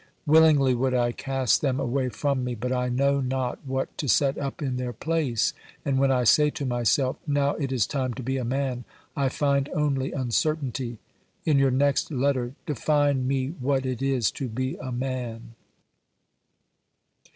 Willingly would I cast them away from me, but I know not what to set up in their place, and when I say to my self: Now it is time to be a man, I find only uncertainty. In your next letter, define me what it is to be a man.